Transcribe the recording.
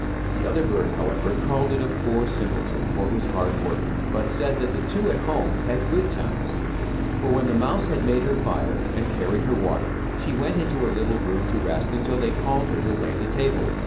The other bird, however, called it a poor simpleton for his hard work, but said that the two at home had good times. For when the mouse had made her fire and carried her water, she went into her little room to rest until they called her to lay the table.